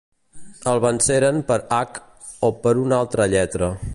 El venceren per hac o per una altra lletra.